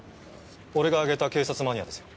俺が挙げた警察マニアですよ。